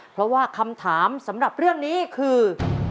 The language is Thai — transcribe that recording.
เพราะว่าคำถามสำหรับเรื่องนี้คือ